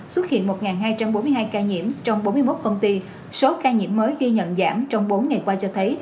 xuất hiện một hai trăm bốn mươi hai ca nhiễm trong bốn mươi một công ty số ca nhiễm mới ghi nhận giảm trong bốn ngày qua cho thấy